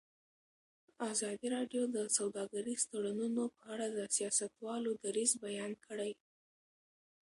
ازادي راډیو د سوداګریز تړونونه په اړه د سیاستوالو دریځ بیان کړی.